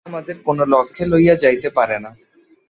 ইহা আমাদের কোন লক্ষ্যে লইয়া যাইতে পারে না।